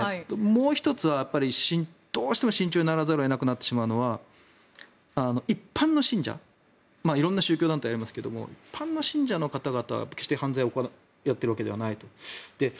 もう１つは、どうしても慎重にならざるを得なくなってしまうのは一般の信者色んな宗教団体がありますが一般の信者の方々は決して犯罪を行っているわけではないと。